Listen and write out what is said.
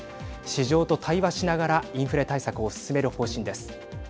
市場と対話しながらインフレ対策を進める方針です。